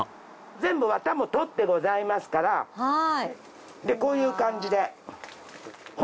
全部ワタも取ってございますからこういう感じで。